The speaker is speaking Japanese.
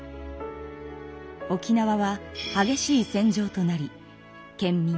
沖縄ははげしい戦場となり県民